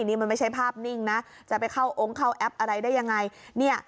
นี่มันไม่ใช่ภาพนิ่งนะจะไปเข้าองค์เข้าแอปอะไรได้ยังไงเนี่ย